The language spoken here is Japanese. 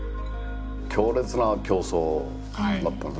強烈な競争だったんです。